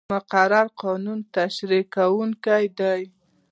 مقرره د قانون تشریح کوونکې ده.